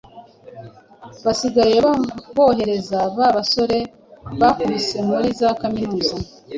Basigaye bohereza ba basore bakubutse muri za kaminuza.